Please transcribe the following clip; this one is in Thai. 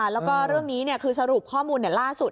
แล้วก็เรื่องนี้คือสรุปข้อมูลล่าสุด